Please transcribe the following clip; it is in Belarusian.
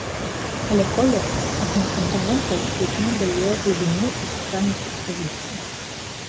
Але колер, адзін з кампанентаў, які надае глыбіню і сакральнасць экспазіцыі.